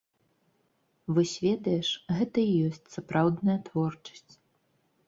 Вось ведаеш, гэта і ёсць сапраўдная творчасць.